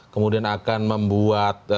kemudian akan membuat